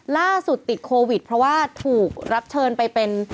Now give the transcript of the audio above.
ล่าสุดติดโควิดเพราะว่าถูกรับเชิญไปเป็น